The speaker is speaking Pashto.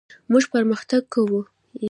موږ پرمختګ کوو.